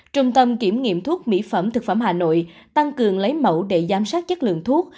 trung tâm kiểm nghiệm thuốc mỹ phẩm thực phẩm hà nội tăng cường lấy mẫu để giám sát chất lượng thuốc